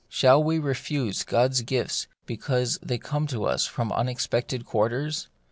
Shall we refuse God's gifts because they come to us from unexpected quarters